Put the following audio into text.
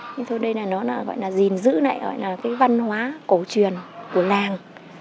thế thôi đây là nó gọi là gìn dữ này gọi là cái văn hóa cổ truyền của làng